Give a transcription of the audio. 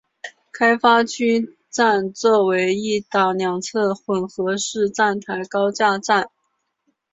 开发区站为一岛两侧混合式站台高架站。